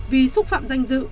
vì xúc phạm danh dự